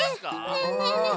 ねえねえねえ